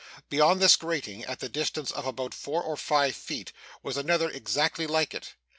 Beyond this grating, at the distance of about four or five feet, was another exactly like it.